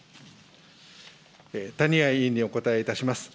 谷合委員にお答えいたします。